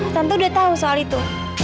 tentu dia tahu soal itu